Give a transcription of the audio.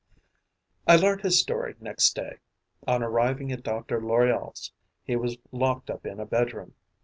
I learnt his story next day. On arriving at Dr. Loriol's, he was locked up in a bedroom.